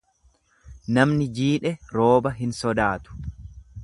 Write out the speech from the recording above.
Namni jiidhe rooba hin sodaatu.